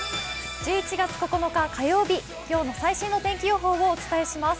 １１月９日火曜日、今日の最新天気予報をお伝えします。